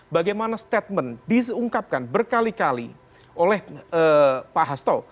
bagaimana statement diungkapkan berkali kali oleh pak hasto